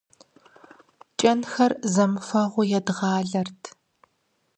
КӀэнхэр зэмыфэгъуу едгъалэрт.